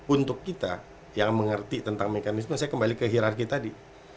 untuk kita yang mengerti tentang mekanisme saya kembali ke hirarki tadi